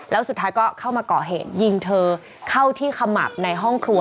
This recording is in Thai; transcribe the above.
แล้วสุดท้ายก็เข้ามาก่อเหตุยิงเธอเข้าที่ขมับในห้องครัว